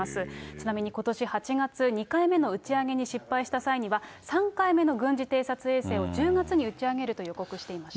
ちなみにことし８月、２回目の打ち上げに失敗した際には、３回目の軍事偵察衛星を１０月に打ち上げると予告していました。